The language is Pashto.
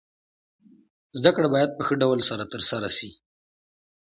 زده کړه باید په ښه ډول سره تر سره سي.